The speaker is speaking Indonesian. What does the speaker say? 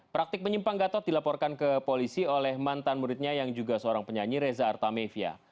praktik menyimpang gatot dilaporkan ke polisi oleh mantan muridnya yang juga seorang penyanyi reza artamevia